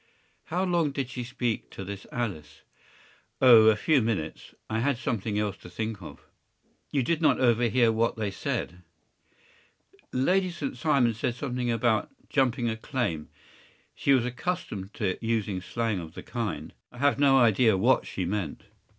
” “How long did she speak to this Alice?” “Oh, a few minutes. I had something else to think of.” “You did not overhear what they said?” “Lady St. Simon said something about ‘jumping a claim.’ She was accustomed to use slang of the kind. I have no idea what she meant.